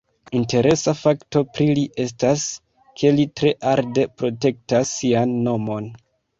Interesa fakto pri li estas, ke li tre arde protektas sian nomon.